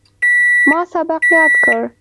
ما سبق یاد کړ.